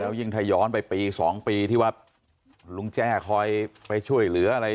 ยิ่งถ้าย้อนไปปี๒ปีที่ว่าลุงแจ้คอยไปช่วยเหลืออะไร